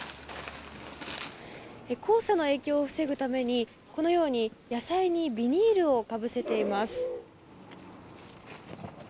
黄砂の影響を防ぐためにこのように野菜にビニールをかぶせています。